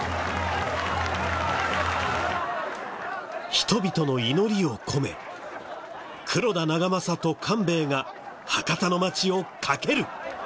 人々の祈りを込め黒田長政と官兵衛が博多の街を翔る！